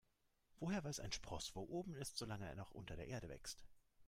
Woher weiß ein Spross, wo oben ist, solange er noch unter der Erde wächst?